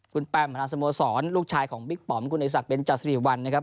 คุณแปมพนัสโมสรลูกชายของบิ๊กปอมคุณไอศักดิ์เบนจาศิริวัณนะครับ